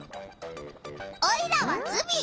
オイラはズビ！